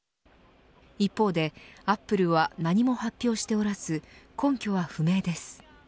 一方でアップルは何も発表しておらず根拠は不明です。